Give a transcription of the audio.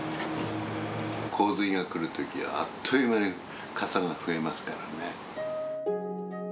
洪水が来るときは、あっという間にかさが増えますからね。